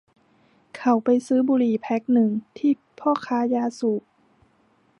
เขาไปซื้อบุหรี่แพ็คนึงที่พ่อค้ายาสูบ